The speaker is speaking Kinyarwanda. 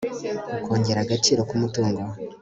ukongerera agaciro k umutungo